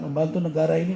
membantu negara ini